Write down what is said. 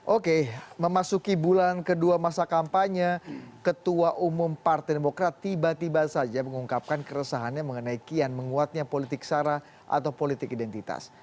oke memasuki bulan kedua masa kampanye ketua umum partai demokrat tiba tiba saja mengungkapkan keresahannya mengenai kian menguatnya politik sara atau politik identitas